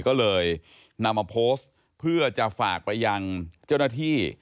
ก็เลยนำมาโพสต์เพื่อจะฝากไปยังเจ้าหน้าที่